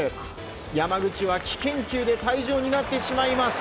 山口は危険球で退場になってしまいます。